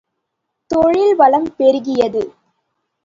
தொழில் வளம் பெருகியது.